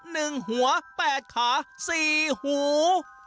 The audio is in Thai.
หนึ่งหัวแปดขาสี่หู